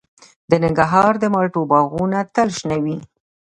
د ننګرهار د مالټو باغونه تل شنه وي.